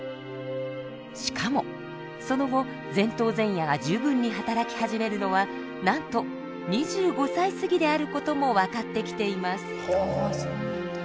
しかもその後前頭前野が十分に働き始めるのはなんと２５歳過ぎである事も分かってきています。